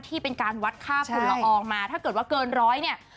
ที่เป็นการวัดค่าฝุ่นละอองมาถ้าเกิดว่าเกินร้อยเนี่ย